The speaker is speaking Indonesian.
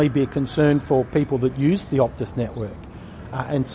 ini pasti menjadi perhatian untuk orang yang menggunakan jaringan optus